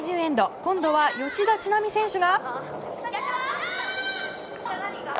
今度は吉田知那美選手が。